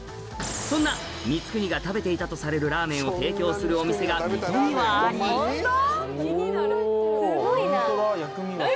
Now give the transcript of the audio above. そんな光圀が食べていたとされるラーメンを提供するお店が水戸にはありおホントだ薬味がすごい。